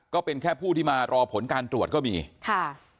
ก็เป็นแค่ผู้ที่มารอผลการตรวจก็มีค่ะ